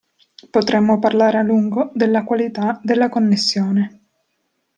Potremmo parlare a lungo della qualità della connessione.